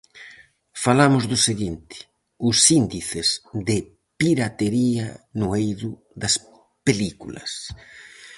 Falamos do seguinte: os índices de piratería no eido das películas.